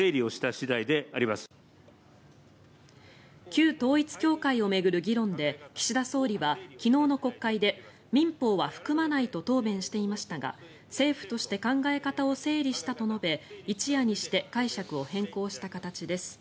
旧統一教会を巡る議論で岸田総理は昨日の国会で民法は含まないと答弁していましたが政府として考え方を整理したと述べ一夜にして解釈を変更した形です。